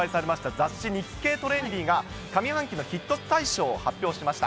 雑誌、日経トレンディが上半期のヒット大賞を発表しました。